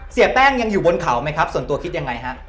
เสียแป้งยังอยู่บนเขาไหมครับส่วนตัวคิดยังไงฮะ